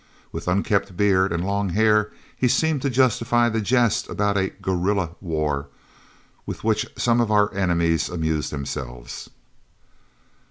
With unkempt beard and long hair he seemed to justify the jest about a "gorilla" war with which some of our enemies amused themselves.